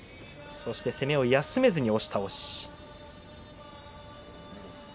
そして攻めを休まずに押し倒し。